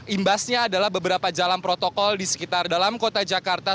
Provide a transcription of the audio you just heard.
imbasnya adalah beberapa jalan protokol di sekitar dalam kota jakarta